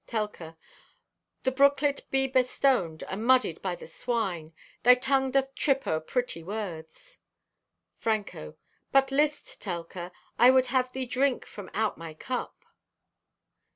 Telka.—"The brooklet be bestoned, and muddied by the swine. Thy tung doth trip o'er pretty words." Franco.—"But list, Telka, I would have thee drink from out my cup!"